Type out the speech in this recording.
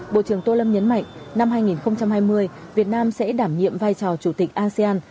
bộ trưởng tô lâm nhấn mạnh năm hai nghìn hai mươi việt nam sẽ đảm nhiệm vai trò chủ tịch asean